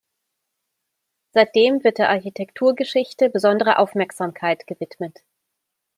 Seitdem wird der Architekturgeschichte besondere Aufmerksamkeit gewidmet.